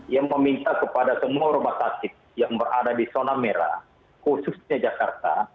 yang meminta kepada semua rumah sakit yang berada di zona merah khususnya jakarta